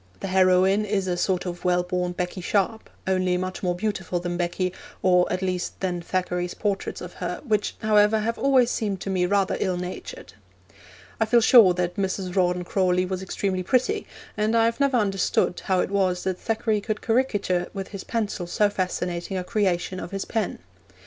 The heroine is a sort of well born Becky Sharp, only much more beautiful than Becky, or at least than Thackeray's portraits of her, which, however, have always seemed to me rather ill natured. I feel sure that Mrs. Rawdon Crawley was extremely pretty, and I have never understood how it was that Thackeray could caricature with his pencil so fascinating a creation of his pen.